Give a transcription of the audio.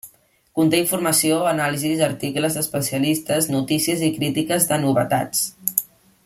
Conté informació, anàlisis, articles d’especialistes, notícies i crítiques de novetats.